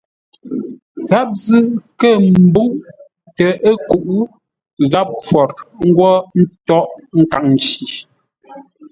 Gháp zʉ́ kə̂ ḿbə́uʼ tə ə́ kuʼ, gháp khwor ńgwó ńtághʼ nkaŋ nci.